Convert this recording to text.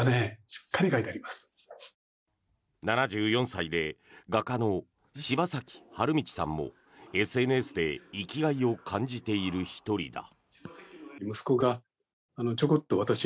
７４歳で画家の柴崎春通さんもＳＮＳで生きがいを感じている１人だ。